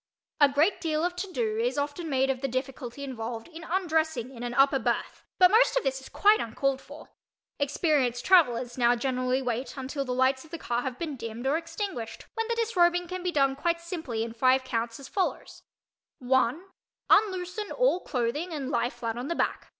A great deal of "to do" is often made of the difficulty involved in undressing in an upper berth but most of this is quite uncalled for. Experienced travellers now generally wait until the lights of the car have been dimmed or extinguished when the disrobing can be done quite simply in five counts, as follows: One—unloosen all clothing and lie flat on the back.